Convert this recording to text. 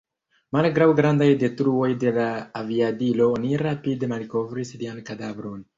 Malgraŭ grandaj detruoj de la aviadilo oni rapide malkovris lian kadavron.